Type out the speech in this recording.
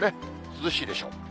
涼しいでしょう。